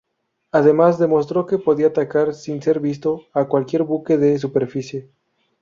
Además, demostró que podía atacar, sin ser visto, a cualquier buque de superficie.